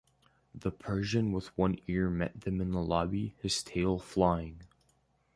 The Persian with one ear met them in the lobby, his tail flying.